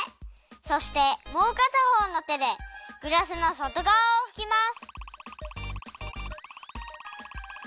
そしてもうかたほうの手でグラスの外がわをふきます。